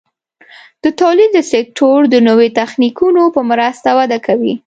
د تولید سکتور د نوي تخنیکونو په مرسته وده کوي.